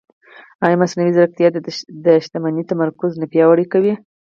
ایا مصنوعي ځیرکتیا د شتمنۍ تمرکز نه پیاوړی کوي؟